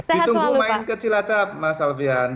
ditunggu main ke cilacap mas alfian